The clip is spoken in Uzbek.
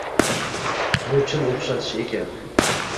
Bu chin o`xshatish ekan